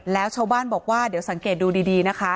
แล้วชาวบ้านบอกว่าเดี๋ยวสังเกตดูดีนะคะ